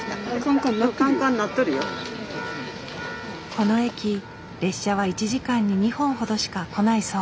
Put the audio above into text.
この駅列車は１時間に２本ほどしか来ないそう。